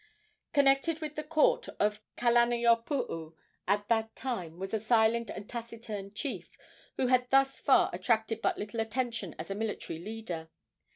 Connected with the court of Kalaniopuu at that time was a silent and taciturn chief, who had thus far attracted but little attention as a military leader.